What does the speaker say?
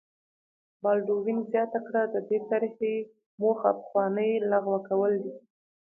بالډوین زیاته کړه د دې طرحې موخه پخوانۍ لغوه کول دي.